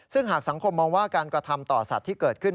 ซึ่งหากสังคมมองว่าการกระทำต่อสัตว์ที่เกิดขึ้น